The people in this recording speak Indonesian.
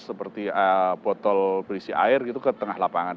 seperti botol berisi air gitu ke tengah lapangan